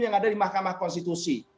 yang ada di mahkamah konstitusi